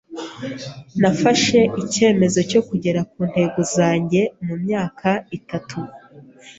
Nafashe icyemezo cyo kugera kuntego zanjye mumyaka itatu.